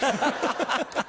ハハハハ！